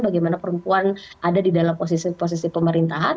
bagaimana perempuan ada di dalam posisi posisi pemerintahan